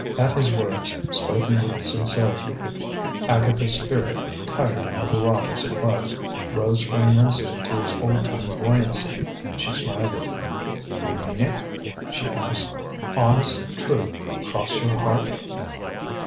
At his words, spoken with sincerity, Agatha's spirit, tired and overwrought as it was, rose for an instant to its old time buoyancy. She smiled at him. "You mean it?" she asked. "Honest true, cross your heart?"